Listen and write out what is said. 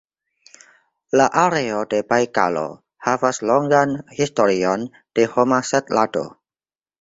La areo de Bajkalo havas longan historion de homa setlado.